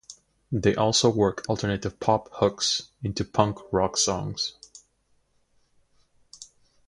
They also work alternative pop hooks into punk rock songs.